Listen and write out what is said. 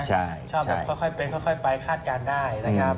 ใช่ชอบแบบค่อยเป็นค่อยไปคาดการณ์ได้นะครับ